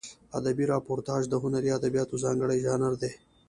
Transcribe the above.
ادبي راپورتاژ د هنري ادبیاتو ځانګړی ژانر دی.